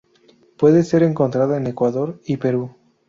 Puede ser encontrada en Ecuador y Perú.